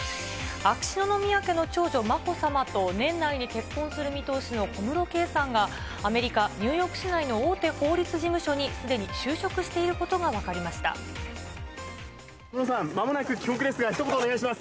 秋篠宮家の長女、まこさまと年内に結婚する見通しの小室圭さんが、アメリカ・ニューヨーク市内の大手法律事務所にすでに就職してい小室さん、まもなく帰国ですが、ひと言お願いします。